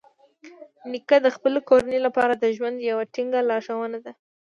نیکه د خپلې کورنۍ لپاره د ژوند یوه ټینګه لارښونه ده.